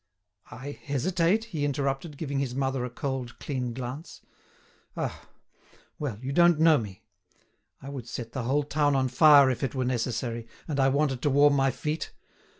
"I hesitate?" he interrupted, giving his mother a cold, keen glance. "Ah! well, you don't know me. I would set the whole town on fire if it were necessary, and I wanted to warm my feet.